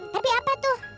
tapi apa tuh